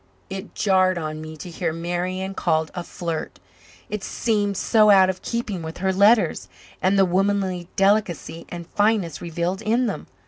It jarred on me to hear Marian called a flirt. It seemed so out of keeping with her letters and the womanly delicacy and fineness revealed in them.